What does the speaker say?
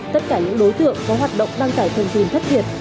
tất cả những đối tượng có hoạt động đăng tải thần tùy thất thiệt